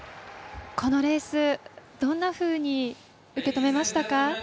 このレース、どんなふうに受け止めましたか？